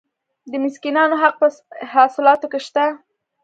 د مسکینانو حق په حاصلاتو کې شته.